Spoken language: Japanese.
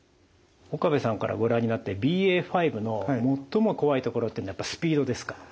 岡部さんからご覧になってＢＡ．５の最も怖いところっていうのはスピードですか？